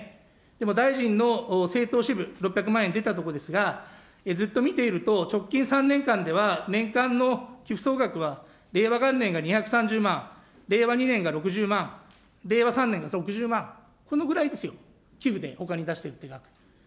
でも大臣の政党支部、６００万円出たところですが、ずっと見ていると直近３年間では年間の寄付総額は令和元年が２３０万、令和２年が６０万、令和３年が６０万、このぐらいですよ、寄付でお金出しているのが。